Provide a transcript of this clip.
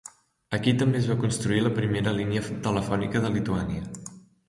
Aquí també es va construir la primera línia telefònica de Lituània.